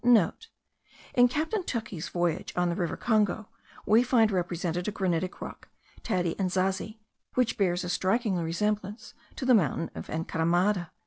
(* In Captain Tuckey's Voyage on the river Congo, we find represented a granitic rock, Taddi Enzazi, which bears a striking resemblance to the mountain of Encaramada.)